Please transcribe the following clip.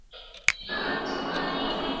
ایا ماشوم کولای سي په کور کي بریالی سي؟